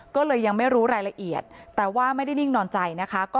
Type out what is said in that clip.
ก็เลยยังไม่รู้รายละเอียดแต่ว่าไม่ได้นิ่งนอนใจนะคะ